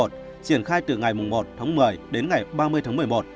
triển khai từ ngày một tháng một mươi đến ngày ba mươi tháng một mươi một